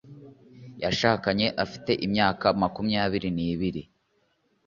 Yashakanye afite imyaka makumyabiri nibiri